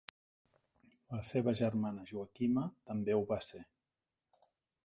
La seva germana Joaquima també ho va ser.